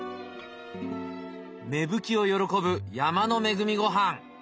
芽吹きを喜ぶ山の恵みごはん。